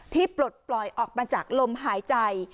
ปลดปล่อยออกมาจากลมหายใจ